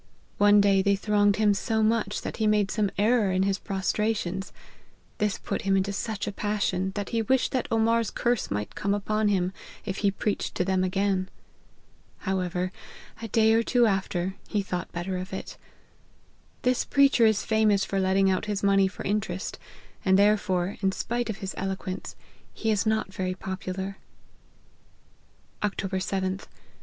One day they thronged him so much that he made some error in his pros* trations. This put him into such a passion, that he wished that Omar's* curse might come upon him, if he preached to them again. However, a day or two after, he thought better of it. This preacher is famous for letting out his money for interest; and therefore, in spite of his eloquence, he is not very popular." " Oct. 7th.